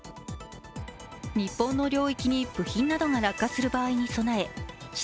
日本の領域に部品などが落下する場合に備え地